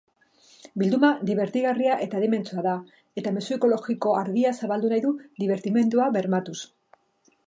Bilduma dibertigarria etaadimentsua da, eta mezu ekologiko argia zabaldu nahi du dibertimenduabermatuz.